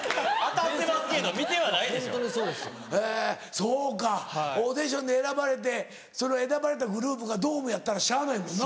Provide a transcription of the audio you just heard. そうかオーディションで選ばれてその選ばれたグループがドームやったらしゃあないもんな。